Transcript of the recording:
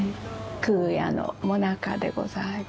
空也のもなかでございます。